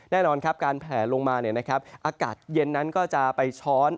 แน่นอนครับการแผลลงมาอากาศเย็นนั้นก็จะไปช้อน